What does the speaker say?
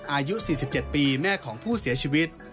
อายุ๔๗ปีแม่ของผู้เสียชีวิต